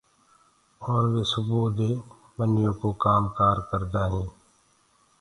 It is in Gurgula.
اور وي سُبوئو دي هي ٻنيو ڪو ڪآم ڪآر ڪردآ هينٚ